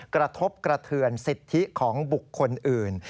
กระทบกระเทือนสิทธิของบุคคลอื่น